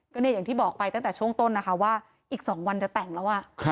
ก็เนี่ยอย่างที่บอกไปตั้งแต่ช่วงต้นนะคะว่าอีก๒วันจะแต่งแล้ว